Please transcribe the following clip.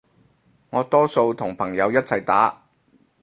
我多數同朋友一齊打